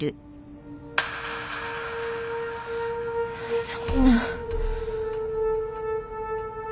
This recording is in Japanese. そんな。